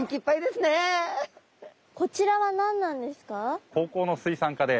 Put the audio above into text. こちらは何なんですか？